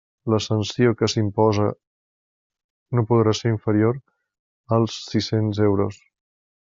La sanció que s'impose no podrà ser inferior a sis-cents euros.